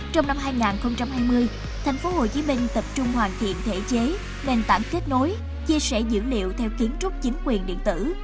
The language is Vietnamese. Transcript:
trong năm hai nghìn hai mươi tp hcm tập trung hoàn thiện thể chế nền tảng kết nối chia sẻ dữ liệu theo kiến trúc chính quyền điện tử